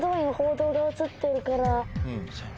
そうやね。